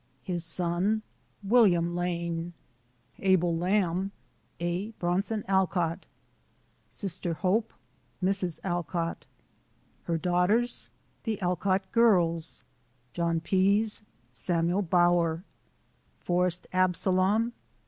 His Son William Lane, Abel Lamb A. Branson AlcotL Sister Hope Mrs, AlcotL Her Daughters ... The Alcott girls. John Pease ..... Samuel Bower. Forest Absalom